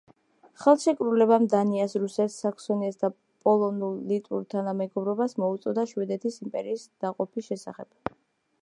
ხელშეკრულებამ დანიას, რუსეთს, საქსონიას და პოლონურ-ლიტვურ თანამეგობრობას მოუწოდა შვედეთის იმპერიის დაყოფის შესახებ.